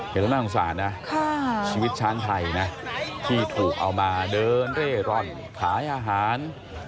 เห็นแล้วน่าสงสารนะชีวิตช้างไทยนะที่ถูกเอามาเดินเร่ร่อนขายอาหาร